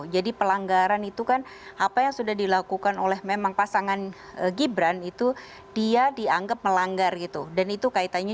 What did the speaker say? jadi pelanggaran itu kan apa yang sudah dilakukan oleh memang pasangan gibran itu dia dianggap melanggar gitu